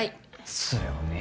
っすよね。